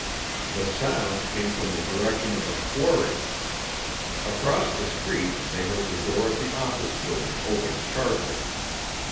The sound came from the direction of the quarry. Across the street they heard the door of the office building open sharply.